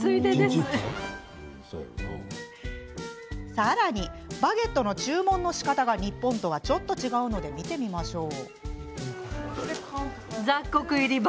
さらにバゲットの注文のしかたが日本とはちょっと違うので見てみましょう。